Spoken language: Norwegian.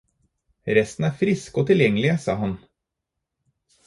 Resten er friske og tilgjengelige, sa han.